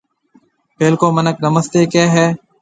پيلڪو مِنک نمستيَ ڪهيَ هيَ۔